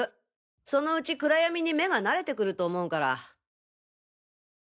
そのうち暗闇に目が慣れてくると思うから。